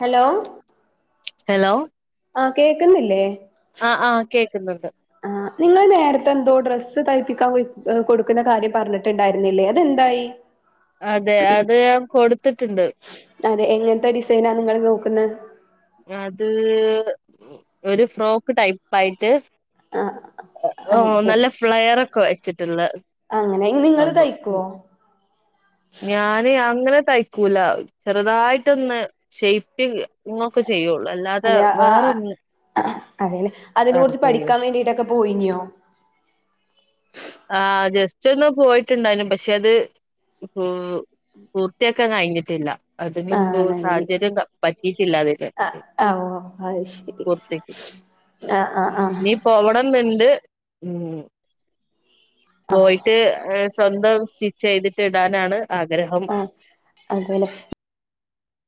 Hello hello ആഹ് കേക്കുന്നില്ലേ ആഹ് ആഹ് കേക്കുന്നുണ്ട് ആഹ് നിങ്ങൾ നേരത്തെ എന്തോ ഡ്രസ്സ് തയ്പ്പിക്കാൻ കൊടുക്കുന്ന കാര്യം പറഞ്ഞിട്ടുണ്ട് ണ്ടായിരുന്നില്ലേ അതെന്തായി അതെ അത് ഞാൻ കൊടുത്തിട്ടുണ്ട് അതെ എങ്ങനത്തെ ഡിസൈനാണ് നിങ്ങൾ നോക്കുന്നെ അത് ഒരു ഫ്രോക്ക് ടൈപ്പ ആയിട്ട് ആ ഉം അതെ നല്ല ഫ്ലെയറൊക്കെ വെച്ചിട്ടുളെ അങ്ങനെ നിങ്ങള് തയ്ക്കുവോ ഞാന് അങ്ങനെ തയ്ക്കൂല ചെറുതായിട്ടൊന്ന് ഷെയ്പിയ്യ ഇങ്ങൊക്കെ ചെയ്യള്ളൂ അല്ല അതെ അ ആ അതെല്ലെ അതിനെ കുറിച്ച് ചെയ്യൂല പഠിക്കാൻ വേണ്ടിട്ടൊക്കെ പോയിഞ്ഞിയോ ആഹ് ജസ്റ്റ് ഒന്ന് പോയിട്ടുണ്ടായിരുന്നു പക്ഷെ അത് ഉം ഉം പൂർത്തിയാക്കാൻ കഴിഞ്ഞിട്ടില്ല അതിന് മുമ്പ് ആണല്ലേ സാഹചര്യം പ പറ്റിട്ടില്ലാ വടെ ആ ആ [unintelligible] പോർത്തേക്ക് ആഹ് ആഹ് ആഹ് നീ പോവണം ന്ന്ണ്ട് ഉം പോയിട്ട് എഹ് സ്വന്തം സ്റ്റിച്ചെയ്തിട്ട് ടാനാണ് ആഗ്രഹം. ആഹ് അതെല്ലെ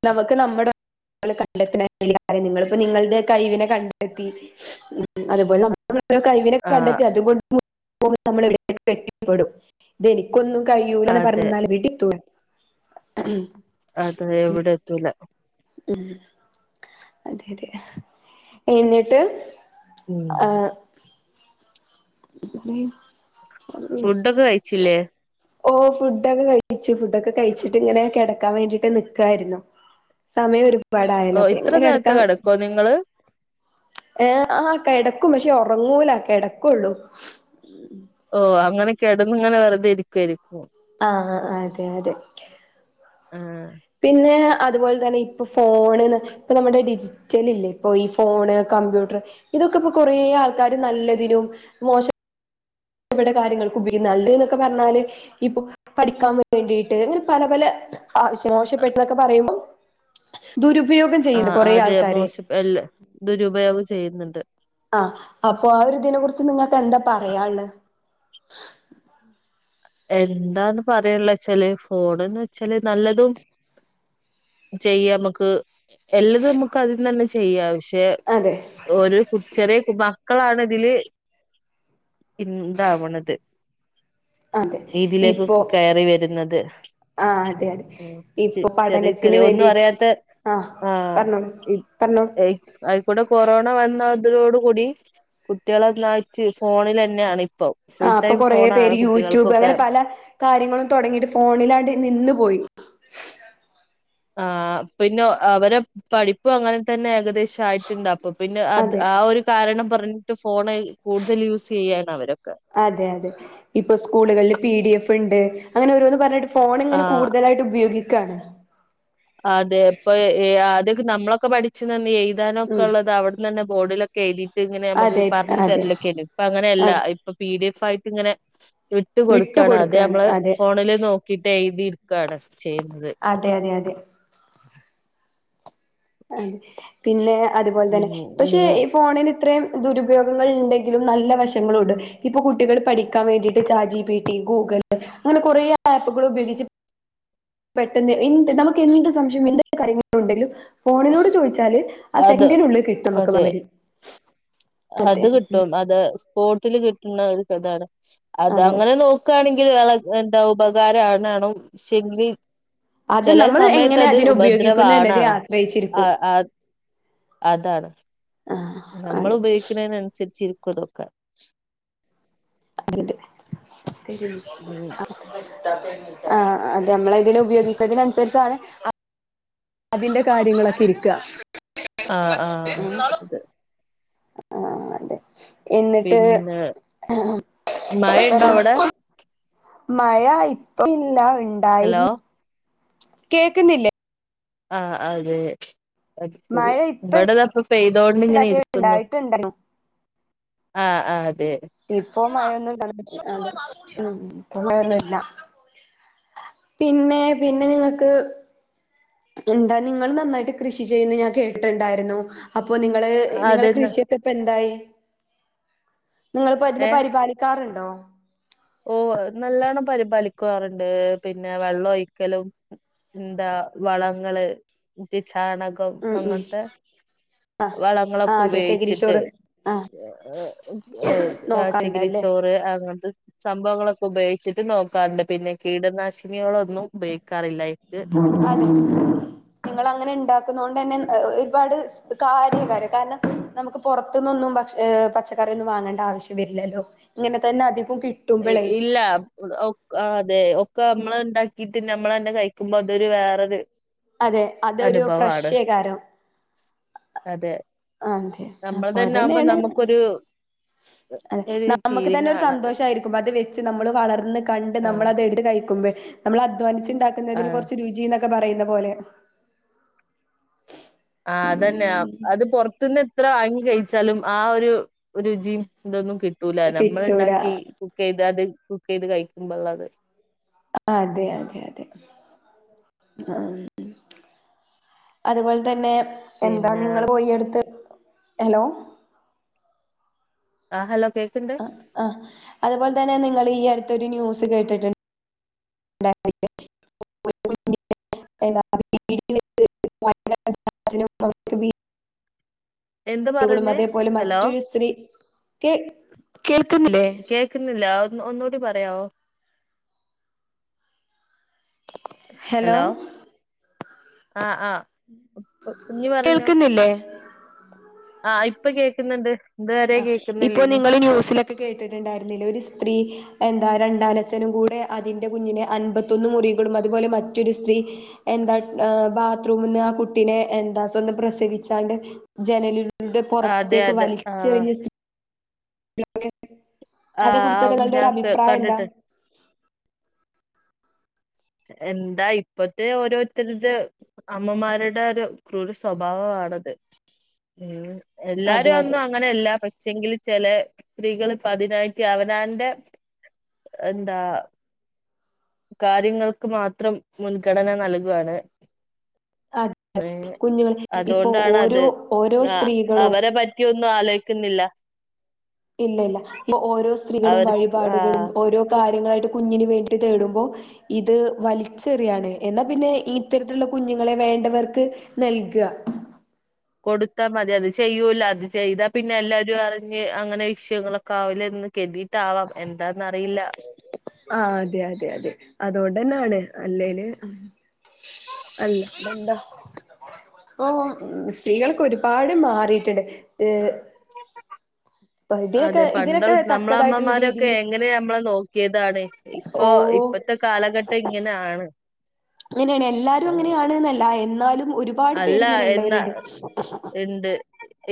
നമക്ക് നമ്മടെ [unintelligible] നിങ്ങള്പ്പൊ നിങ്ങൾടെ കയ് വിനെ കണ്ടെത്തി ഉം അത്പോലെ നമ്മളെ കഴവിനെക്കെ ആഹ് കണ്ടെത്തി അതുകൊണ്ട് [unintelligible] നമ്മള് എവ്ടെങ്കിലൊക്കെ എത്തിപ്പെടും. ഇതെനിക്കൊന്നും കയ്യൂലാന്ന് അതെ പർഞ്ന്നാല് എവിടെത്തൂല. അതെ എവിടെത്തൂല. ഉം അതെയതെ എന്നിട്ട്. ഉം ആഹ് ഫുഡൊക്കെ കഴിച്ചില്ലേ [unintelligible] ഓഹ് ഫുഡൊക്കെ കഴിച്ചു ഫുഡൊക്കെ കയ്ച്ചിട്ട് ങ്ങനെ കെടക്കാൻ വേണ്ടിട്ട് നിക്കാര്ന്നു. സമയൊരുപാടായാലോ അപ്പൊങ്ങനെ കെടക്കാൻ ക്കൊ നിങ്ങള് ഏഹ് ആഹ് കെടക്കും പക്ഷേ ഒറങ്ങൂല കെടക്കൊള്ളു. ഓഹ് അങ്ങനെ കെടന്ന് ങ്ങനെ വെർതെ ഇരിക്കുവായ്രിക്കും. ആഹ് ആഹ് അതെ യതെ. ആഹ് പിന്നെ അത്പോലെ തന്നെ ഇപ്പൊ ഫോണ്നും ഇപ്പ നമ്മടെ ഡിജി റ്റലില്ലെ പ്പോ ഈ ഫോണ്, കമ്പ്യൂട്ടർ ഇതൊക്കപ്പൊ കൊറേ ആൾക്കാര് നല്ലതിനും മോശ പ്പെട്ട കാര്യങ്ങൾക്കും ഉപയോഗിക്കുന്നു നല്ലത് ന്നൊക്കെ പർഞ്ഞാല് ഇപ്പൊ പഠിക്കാം വേണ്ടീട്ട് അങ്ങനെ പല പല ആവശ്യങ്ങളാ. മോശപ്പെട്ടതൊക്കെ പറയുമ്പോ ദുരുപയോഗം ചെയ്യ്ണ്ട് ആഹ് കൊറേ അതെ ആൾക്കാര്. മോശം എല്ല ദുരുപയോഗം ചെയ്യ്ന്ന്ണ്ട്. ആഹ് അപ്പൊ ആ ഒര് തിനെ കുർച്ച് നിങ്ങൾക്കെന്താ പറയാള്ളത്? എന്താന്ന് പറയാള്ളേച്ചാല് ഫോണ്ന്ന് വെച്ചാല് നല്ലതും ചെയ്യമ്മക്ക് എല്ലതും അമ്മക്കതീന്നന്നെ ചെയ്യാ പക്ഷെ അതെ ഒരോ കു ചെറ്യേ മക്കളാണ് തില് ഇന്താവ് ണത്. അതെ ഈ ഇപ്പൊ തിലേക്കൊക്കെ കയറി വെര്ന്നത്. ആ അതെ അതെ ആഹ് ഇപ്പൊ ചെറ്യേ പഠനത്തിന് ചെറ്യേ ഒന്നും വേണ്ടിട്ട് അറിയാത്തെ ആ ആഹ് പറഞ്ഞോളൂ ഇപ് പറഞ്ഞോളൂ എയ് ആയ്ക്കൂടെ കൊറോണ വന്നത്രോട് കൂടി കുട്ട്യാളൊന്നായ്റ്റ് ഫോണിലെന്നാണ് പ്പൊ. ആഹ് പ്പൊ കൊറേ പേര് യൂട്യൂബ് അങ്ങനെ പല കാര്യങ്ങളും തൊടങ്ങീറ്റ് ഫോണിലാണ്ട് നിന്ന് പോയി. ആഹ് പിന്നെ അവരെ പഠിപ്പും അങ്ങനെ തെന്നെ ഏകദേശ് ശായിറ്റ്ണ്ട് അപ്പൊ പിന്നെ അത് അതെ ആ ഒരു കാരണം പർഞ്ഞിട്ട് ഫോണ് കൂടുതല് യൂസെയ്യാണവരൊക്കെ. അതെ യതെ ഇപ്പൊ സ്കൂളുകളില് പി ഡി എഫ് ണ്ട് അങ്ങനെ ഒരോന്ന് പർഞ്ഞിട്ട് ഫോണ് ങ്ങനെ ആഹ് കൂടുതലായ്ട്ട് ഉപയോഗിക്കാണ്. അതെ പ്പൊ ഏഹ് ഏഹ് ആദ്യൊക്കെ നമ്മളൊക്കെ പഠിച്ച്നന്ന് ഉം എഴ്താനൊക്കെള്ളതവ്ട് ന്നന്നെ ബോഡിലൊക്കെയ്തീട്ട് ങ്ങനെ അമ്മക്ക് അതെ പർഞ്ഞ് അതെ തെര്ലൊക്കേനി ഇപ്പ ങ്ങനെല്ല അതെ ഇപ്പൊ പി ഡി എഫായിട്ട് ങ്ങനെ വിട്ട് കൊട്ക്കാണ് അത് കൊടുക്കാണ് അമ്മള് അതെ ഫോണില് നോ ക്കീട്ട് എയ്തി ട്ക്കാണ് ചെയ്യ്ന്നത്. അതെ അതെ അതെ അതെ പിന്നെ അത്പോൽതന്നെ ഉം പക്ഷെ ഉം. ഫോണിന് ഇത്രേം ദുരുപയോഗങ്ങൾ ഇണ്ടെങ്കിലും നല്ല വശങ്ങളുണ്ട് ഇപ്പൊ കുട്ടികള് പഠിക്കാൻ വേണ്ടീട്ട് ചാറ്റ് ജീ പീ ട്ടി, ഗൂഗിൾ അങ്ങനെ കൊറേ ആപ്പ്കൾ ഉപയോഗിച്ച് പെട്ടെന്ന് എന്ത് നമുക്ക് എന്ത് സംശയം എന്തൊക്കെ കാര്യങ്ങളും ഉണ്ടെങ്കിലും ഫോണിനോട് ചോയ്ച്ചാല് ആ അത് സെക്കഡിനുള്ളിൽ കിട്ടും നമുക്ക് അതെ മറുപടി അതെ അത് കിട്ടും അതെ സ്പോർട്ടില് കിട്ട്ണ്ണ ഒര് ഇതാണ് അത് അതെ അങ്ങനെ നോ ക്കാണെങ്കില് വള എന്താ ഉപകാരാണേണും സി [unintelligible] അത് നമ്മള് എങ്ങനെ അതിനെ ഉപയോഗിക്കുന്നു എന്നതിനെ ഉപദ്രവാണാണും ആ ആശ്രയിച്ചിരിക്കും ആ അതാണ് ആഹ് നമ്മള് അതെ ഉപയോഗിക്ക്ണേന് അൻസരിച്ചിരിക്കും ഇതൊക്കെ അതെ അതെ ശെരിയാണ് ഉം ഉം ആഹ് അത് അമ്മളതില് ഉപയോഗിക്കുന്നതിനനുസരിച്ചാണ് അതിന്റെ കാര്യങ്ങളൊക്കെ ഇരിക്ക ആഹ് ആഹ് [unintelligible] ആഹ് അത് അഹ് ആഹ് അതെ എന്നിട്ട് പിന്നെ ആഹ് മഴയുണ്ടോ ആഹ് അവിടെ പറയ് മഴ ഇപ്പം ഇല്ലാ ഹലോ ഇണ്ടായിര്ന്നു കേക്ക്ന്നില്ലേ ആഹ് അങ്ങനെ അത് ശരി മഴ ഇപ്പ ഇല്ല ഇബടെതാപ്പൊ പെയ്തോണ്ട് ഇങ്ങനെ പക്ഷെ ഇരിക്കുന്നു ഉണ്ടായിട്ടുണ്ടായിരുന്നു ആഹ് ആഹ് അതെ ഇപ്പൊ മഴയൊന്നും ആഹ് അതെ ഏറ്റവും കൂടുതൽ മാർക്കും കൂടി വേണം ഉം ഉം [unintelligible] ഇപ്പൊ മഴയൊന്നുല്ല പിന്നേ പിന്നെ നിങ്ങക്ക് എന്താ നിങ്ങള് നന്നായിട്ട് കൃഷി ചെയ്യുന്ന് ഞാൻ കേട്ടിട്ട്ണ്ടായിരുന്നു അപ്പൊ നിങ്ങള് നിങ്ങളെ അതെന്ന കൃഷിയൊക്കെ ഇപ്പഎന്തായി നിങ്ങളിപ്പൊ അതിനെ പരിപാലി ക്കാറ്ണ്ടോ ഓഹ് നല്ലോണ്ണം പരിപാലിക്കാറ്ണ്ട് പിന്നെ വെള്ളം ഒഴിക്കലും ന്താ വളങ്ങള് മറ്റെ ചാണകം ഉം ഉം അങ്ങൻത്തെ ആഹ് ആഹ് വളങ്ങളൊക്കെ അതെ ഉപയോഗിച്ചിട്ട് ചകിരിച്ചോറ് ആഹ് ഏഹ് ആഹ് ചെകിരി നോക്കാറുണ്ടല്ലേ ചോറ് അങ്ങൻതെ സംഭവങ്ങളൊക്കെ ഉപയോഗിച്ചിട്ട് നോക്കാറ്ണ്ട് പിന്നെ കീടനാശിനികളൊന്നും ഉപയോഗിക്കാറില്ല അയ്ക്ക് ഉം ഉം ഉം അത്‌ നിങ്ങളങ്ങനെ ഇണ്ടാക്ക്ന്നോണ്ടെന്നെ ഒരുപാട് കാര്യേകാരം കാരണം നമുക്ക് പൊറത്ത്ന്നൊന്നും ഭക്ഷ് ഏഹ് പച്ചക്കറിയൊന്നും വാങ്ങണ്ട ആവിശ്യം വെര്ല്ലല്ലോ ഇങ്ങനെതന്നെ അധികോം കി ഏയ് ഇല്ലാ ഒക് ആഹ് അതെ ഒക്കെ മ്മള് ഇണ്ടാക്കീട്ട് നമ്മളെന്നെ കഴിക്കുമ്പൊ അതൊരു വേറൊര് അതെ അതൊരു ഫ്രഷേയ്കാരം അതെ ആഹ് ന്നെ നമ്മൾ അപ്പൊ തന്നെ ആകുമ്പോ അതെന്നേണ് നമുക്കൊരു അതെ ഒരു നമ്മക്ക് തന്നെ ഫീലിംഗ് ഒരു ആണത് സന്തോഷായിരി അത് വെച്ച് നമ്മള് വളർന്ന് കണ്ട് ആഹ് നമ്മള് ക്കും അത് വെച്ച് നമ്മള് വളർന്ന് കണ്ട് നമ്മളത് എട്ത്ത് കഴിക്കുമ്പഴ് നമ്മള് അധ്വാനിച്ച് ഇണ്ടാക്ക്ന്നതിന് ആഹ് കൊർച്ച് രു ചി ന്നൊക്കെ പറയുന്ന പോലെ ആഹ് അതന്നെയാ ഉം അത് പൊർത്ത്ന്ന് എത്ര വാങ്ങി കഴിച്ചാലും ആ ഒരു ഒരു രുചിം ഇതൊന്നും കി കിട്ടൂല ഞമ്മള് കിട്ടൂല ഇണ്ടാക്കി കുക്കെ യ്തഅത് കുക്ക് ചെയ്ത് കഴിക്കുമ്പൊള്ളത് ആഹ് അതെ അതെ അതെ ആഹ്. അതുപോലെ തന്നെ എന്താ പിന്നെ നിങ്ങള് പോയിട്ത്ത് ഹലോ ആഹ് ഹലോ കേ അഹ് ആഹ് അതുപോലെ തന്നെ നിങ്ങള് ഈ അടുത്തൊരു ന്യൂസ് കേട്ടിട്ടു [unintelligible] [unintelligible] എന്ത് ട്ടുകളും പറഞ്ഞേ അതേപോലെ ഹലോ മറ്റൊരു സ്ത്രീ കേ കേൾക്കുന്നില്ലേ? കേക്കുന്നില്ല ഒന്ന് ഒന്നുകൂടി പറയാവൊ. ഹലോ ആഹ് ആഹ് കു കുഞ്ഞു പറഞ്ഞോ ഇല്ലേ ആഹ് ഇപ്പ കേക്ക്ന്ന്ണ്ട്. ആഹ് ഇപ്പൊ നിങ്ങള് ന്യൂസിലൊക്കെ കേട്ടിട്ട്ണ്ടായിരുന്നില്ലെ ഒരു സ്ത്രീ എന്താ രണ്ടാനച്ഛനും കൂടെ അതിൻ്റെ കുഞ്ഞിനെ അൻപത്തൊന്ന് മുറികളും അതുപോലെ മറ്റൊരു സ്ത്രീ എന്താ ഏഹ് ബാത്രൂമ്ന്ന് ആഹ് കുട്ടിനെ എന്താ സ്വന്തം പ്രസവിച്ചാണ്ട് ജനലിൽ ന്ന്ട്ട് ആ, അതെ പൊറത്തേക് അതെ ആഹ് വലിച്ചെറിഞ്ഞ സ് [unintelligible] അതെ കുറിച്ചൊക്കെ ആഹ് നിങ്ങളുടെ ഞാൻ ഒരു ക- അഭിപ്രായം എന്താ? കണ്ടിട്ടുണ്ട് എന്താ ഇപ്പത്തെ ഓരോര്ത്തര്ടെ അമ്മമാരുടെ ഒരു ക്രൂര സ്വഭാവമാണത്. ഉം എല്ലാരും അതെ അന്ന്അ അതെ അങ്ങനെയല്ല പക്ഷെങ്കില് ചെലസ്ത്രീകള്പ്പതിനായിറ്റ് അവനാന്റെ എന്താ കാര്യങ്ങൾ ക്ക് ‌മാത്രം മുൻഗണനനൽകാണ്. അതെ ഏഹ് കുഞ്ഞുങ്ങൾ ഇപ്പൊ ഓരോ അതോണ്ടാണത് ഓരോ ആഹ് സ്ത്രീകളും അവരെപ റ്റിയൊന്നും ആലോയ്ക്കുന്നില്ല. ഇല്ലഇല്ല ഇപ്പൊ ഓരോസ്ത്രീകളും അവർക്ക് വഴിപാടുകളും ആഹ് ഓരോകാര്യങ്ങളായിട്ട് കുഞ്ഞിന് വേണ്ടിതേടുമ്പോ ഇത് വൽച്ചെറ്യാണ് എന്നാപിന്നെ ഇത്തരത്തിലുള്ള കുഞ്ഞുങ്ങളെ വേണ്ടവർക്ക് നൽക്ക. കൊടുത്താമതി അത് ചെയ്യൂല അത് ചെയ്താപിന്നെല്ലാരും അറിഞ്ഞ് അങ്ങനെവിഷയങ്ങളൊക്കാവുലെന്ന്കെര്‌ തിട്ടാവാംഎന്താന്നറിയില്ല. ആഹ് അതെഅതെഅതെഅതൊണ്ടെന്നാണ്അല്ലേല് അല്ലാണ്ടെന്താ. ഇപ്പോ സ്ത്രീകളൊക്കൊരുപാട് മാറി ട്‌ണ്ട് ഏഹ് ഇതിനൊക്കെ അതെപണ്ട് ഇതിനൊക്കെ നമ്മളെ തക്കതായിട്ടുള്ള അമ്മമാരൊക്കെ രീതിയിൽ എങ്ങനെയനമ്മളെനോ ക്ക്യതാണ് ഓ ഇപ്പൊ ഇപ്പത്തെ കാലഘട്ടം ഇങ്ങനാണ്. അങ്ങനേണ് എല്ലാരും അങ്ങനെയാണ്ന്നല്ല എന്നാലും അല്ല ഒരുപാട്പേരിങ്ങനെള്ളവര്ണ്ട്.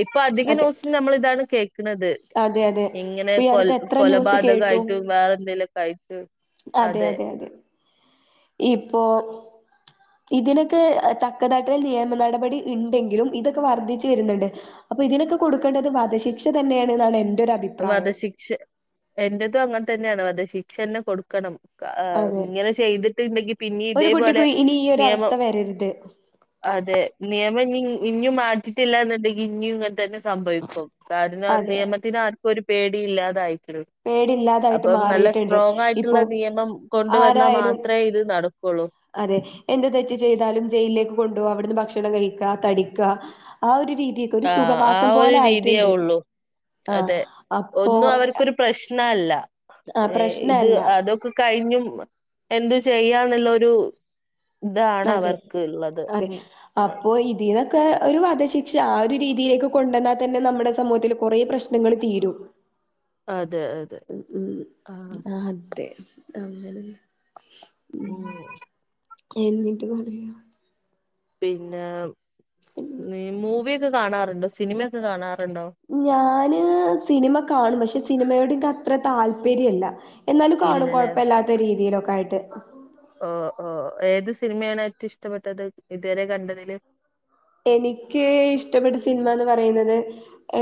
ഇപ്പ അധികം ന്യൂസും നമ്മളിതാണ് കേക്ക്‌ണത്. അതെ അതെ ഇങ്ങനെ ഇപ്പൊ ഈ കൊൽ അടുത്ത് എത്ര ന്യൂസ് കേട്ടു കൊലപാതകായിട്ടും വേറെന്തെലൊക്കായിട്ട്. അതെ അതെ അതെ ഇപ്പോ ഇതിനൊക്കെ തക്കതാട്ട് നിയമ നടപടി ഇണ്ടെങ്കിലും ഇതൊക്കെ വർദ്ധിച്ച് വര്ന്ന്ണ്ട്. അപ്പൊ ഇതിനൊക്കെ കൊടുക്കേണ്ടത് വധശിക്ഷതന്നെയേണ്ന്നാണ് എന്റെരുഅഭി വധശിക്ഷ എന്റെതും അങ്ങൻതന്നെണ് വധശിക്ഷന്നെകൊടുക്കണം. ആഹ് അതെ ഇങ്ങനെ ചെയ്തിട്ട്ണ്ടെങ്കി പിന്നിം ഒരു ഇതേപോലെ കുട്ടിക്ക് ഇനി ഈ ഒരു നിയമം അവസ്ഥ വരരുത് അതെ നിയമം ഇഞ്ഞി ഇഞ്ഞും മാറ്റിട്ടില്ലാന്ന്ണ്ടെങ്കി ഇഞ്ഞുങ്ങൻ തന്നെസംഭവിക്കും കാരണം അതെ നിയമത്തിനേ ആർക്കൊരു പേടി ഇല്ലാതായിരിക്ക്‌ണ്. പേടില്ലാതായിട്ട് അപ്പം നല്ല മാറിയിട്ടുണ്ട് ഇപ്പൊ സ്ട്രോങ്ങായിട്ടുള്ള നിയമം കൊണ്ടുവന്നാ ആരായാലും മാത്രേഇത് നട കൊള്ളു അതെ എന്ത് തെറ്റ് ചെയ്താലും ജയിലിലേക്ക് കൊണ്ടുപോവാ അവിടുന്ന് ഭക്ഷണം കഴിക്ക തടിക്ക ആ ഒരു രീതി ഒരു ആ ആ സുഖവാസം ഒരു രീതിയേ പോലായിട്ട്ണ്ട് ഉള്ളൂ ആഹ് അതെ അപ്പോ ഒന്നും അവർക്കൊരു പ്രശ്നല്ല ആഹ് ഏഹ് ഇത് പ്രശ്നല്ല അതൊക്കെ കഴിഞ്ഞും എന്തും ചെയ്യാന്നുള്ളൊരു ഇതാണ് അതെ അവർക്ക് ഇള്ളത് ആഹ് ഉം അപ്പൊ ഇതിനെ ക്കെ ഒരു വധശിക്ഷ ആ ഒരു രീതിയിലേക്ക് കൊണ്ടന്നാ തന്നെ നമ്മുടെ സമൂഹത്തില് കൊറേ പ്രശ്നങ്ങള് തീരും. അതെ അ ഉം ആതെ അങ്ങനെ ആഹ് എന്നിട്ട് പറയു പിന്നെ മൂവി ഒക്കെ കാണാറുണ്ടോ സിനിമയൊക്കെ കാണാറുണ്ടോ? ഞാന് സിനിമ കാണും പക്ഷെ സിനിമയോട് ഇക്കത്ര താല്പര്യല്ല. എന്നാലും കാണും ഇല്ലല്ലേ കൊഴപ്പല്ലാത്ത രീതീലൊക്കായിട്ട്. ഓ ഓ ഏത് സിനിമയാണ് ഏറ്റവും ഇഷ്ടപ്പെട്ടത് ഇതുവരെ കണ്ടതില് എനിക്ക് ഇഷ്ടപ്പെട്ട സിനിമാന്ന് പറയുന്നത്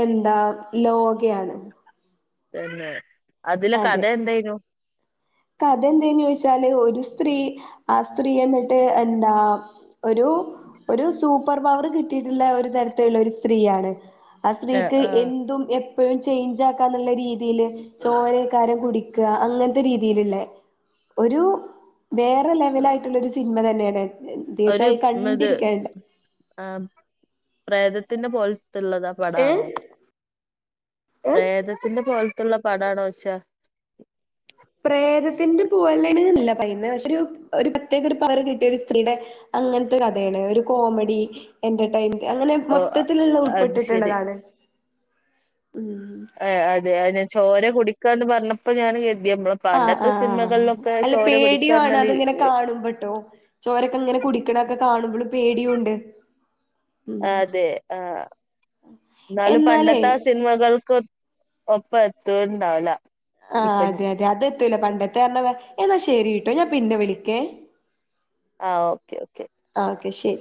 എന്താ ലോകയാണ്. തന്നെ അതില് കഥ എന്തേയ്നു കഥയെന്തെന്നോയ്ച്ചാല് ഒരു സ്ത്രീ ആ സ്ത്രീ എന്നിട്ട് എന്താ ഒരു ഒരു സൂപ്പർ പവർ കിട്ടിയിട്ടുള്ള ഒരു തരത്തിലുള്ളൊരു സ്ത്രീയാണ്. ആ ആഹ് സ്ത്രീക്ക് ആഹ് എന്തും എ പ്പോഴും ചേഞ്ചാക്കാന്ന്ള്ള രീതിയില് ചോരയ്ക്കാരം കുടിക്ക അങ്ങനത്തെരീ [unintelligible] ഒരു വേറെ ലെവലായിട്ടുള്ള ഒരു സിനിമ തന്നെയാണ് ഒരു തീർച്ചയായും ഉം, ഇത് കണ്ടിരിക്കാനുണ്ട് ആഹ് പ്രേതത്തിന്റെ പോലത്തുള്ളതാ പടാണോ ഏഹ് പ്രേതത്തിന്റെ പോലത്തുള്ള പടാണോയ്ച്ചാ പ്രേതത്തിന്റെ പോലണ്ന്നല്ല പിന്നെ പക്ഷെ ഒരു പ്രത്യേക ഒരു പവറ് കിട്ടിയ ഒരു സ്ത്രീയുടെ അങ്ങനത്തെ കഥയാണ് ഒരു കോമഡി എന്റർടൈൻമെന് അങ്ങനെ ഓ അ- മൊത്തത്തിലുള്ള അത് ശെരി ഉൾപ്പെട്ടിട്ടുള്ളതാണ് അതെ അ [unintelligible] ചോര കുടിക്കാന്ന് പറഞ്ഞപ്പോ ഞാന് കര്തിയപം ആഹ് ആഹ് ആഹ് അല്ല പേടിയുവാണ് കുടിക്കാറഞ്ഞാല് അതിങ്ങനെ കാണുംമ്പട്ടോ ചോരൊക്കങ്ങനെ കുടിക്കണൊക്കെ കാണുമ്പോള് പേടിയുണ്ട് ഉം അതെ ആഹ് എന്നാലും എന്നാലേ പണ്ടത്തെ ആ സിനിമകൾക്ക് ഒപ്പത്തൂണ്ടാവില്ല ആഹ് അതെ അതെ അത് എത്തൂല പണ്ടത്തെ [unintelligible] എന്നാ ശെരിട്ടോ ഞാൻ പിന്നെ വിളിക്കേ ആഹ് ഓക്കെ ഓക്കെ ആഹ് ഓക്കെ ശരി